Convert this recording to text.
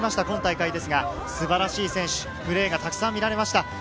今大会ですが、素晴らしい選手、プレーがたくさん見られました。